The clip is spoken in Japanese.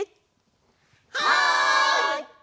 はい！